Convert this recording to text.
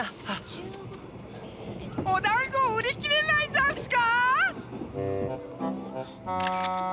おだんごうりきれないざんすか！？